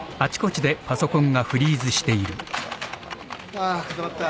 ああ固まった。